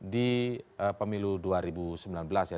di pemilu dua ribu sembilan belas ya